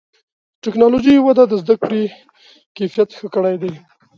د ټکنالوجۍ وده د زدهکړې کیفیت ښه کړی دی.